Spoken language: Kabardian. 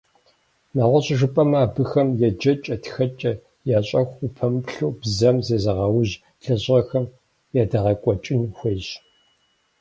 Нэгъуэщӏу жыпӏэмэ, абыхэм еджэкӏэ-тхэкӏэ ящӏэху упэмыплъэу, бзэм зезыгъэужь лэжьыгъэхэр ядегъэкӏуэкӏын хуейщ.